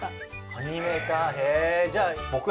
アニメーターへえ！